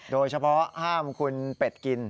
โดยเฉพาะห้ามคุณเป็ดกิน